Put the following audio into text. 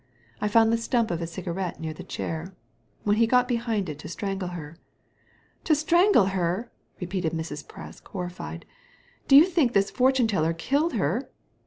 I found the stump of a cigarette near the chain When he got behind it to strangle her^ "" To strangle her 1 " repeated Mrs. Presk, horrified ''Do you think this fortune teller killed her?"